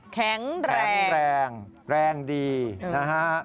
แข็งแรงแรงดีนะฮะ